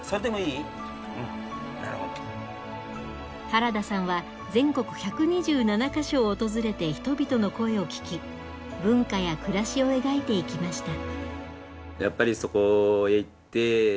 原田さんは全国１２７か所を訪れて人々の声を聞き文化や暮らしを描いていきました。